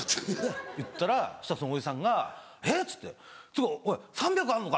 言ったらそしたらそのおじさんが「え！」っつって「っていうかおい３００あんのか。